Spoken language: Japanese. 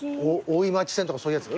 大井町線とかそういうやつ？